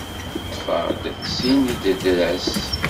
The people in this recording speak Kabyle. Ṭṭfeɣ-d sin idredras.